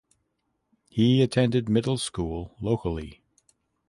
He attended middle school locally.